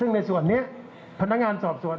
ซึ่งในส่วนนี้พนักงานสอบสวน